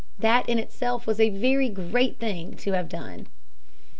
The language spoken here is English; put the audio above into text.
That in itself was a very great thing to have done.